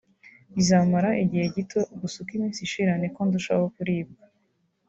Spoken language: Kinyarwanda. bizamara igihe gito gusa uko iminsi ishira niko ndushaho kuribwa